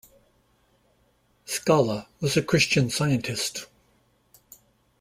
Skala was a Christian Scientist.